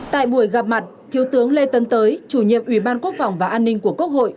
tại buổi gặp mặt thiếu tướng lê tân tới chủ nhiệm ủy ban quốc phòng và an ninh của quốc hội